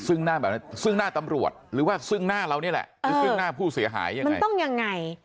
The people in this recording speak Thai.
เออซึ่งหน้าตำรวจหรือว่าซึ่งหน้าเรานี่แหละซึ่งหน้าผู้เสียหายยังไง